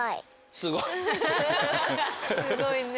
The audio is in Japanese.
すごいね。